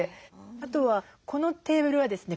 あとはこのテーブルはですね